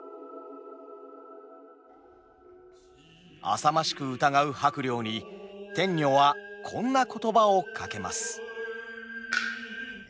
浅ましく疑う伯了に天女はこんな言葉をかけます。